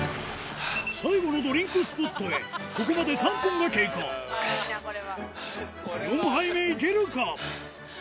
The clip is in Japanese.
最後のドリンクスポットへここまで４杯目いけるか？